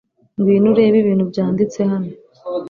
ngwino urebe ibintu byanditse hano